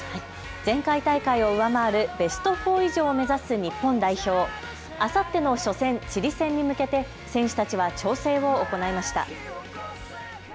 前回大会を上回るベスト４以上を目指す日本代表、あさっての初戦チリ戦に向けて選手たちは調整を行いました。